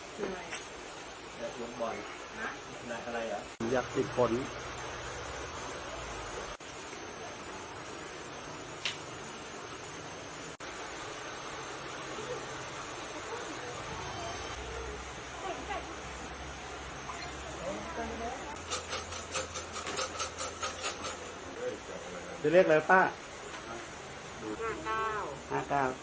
ทผลนี้ก็คืออย่างง่ายจุดที่มีเหตุผลสำคัญ